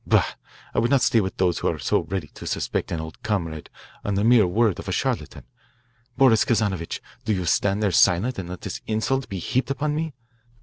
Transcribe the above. Bah! I will not stay with those who are so ready to suspect an old comrade on the mere word of a charlatan. Boris Kazanovitch, do you stand there silent and let this insult be heaped upon me?"